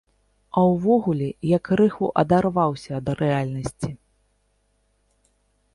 А ўвогуле я крыху адарваўся ад рэальнасці.